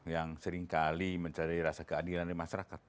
yang seringkali mencari rasa keadilan di masyarakat